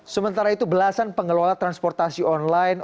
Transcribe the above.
sementara itu belasan pengelola transportasi online